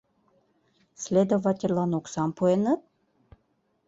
Следовательлан оксам пуэныт?